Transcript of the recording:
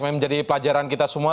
menjadi pelajaran kita semua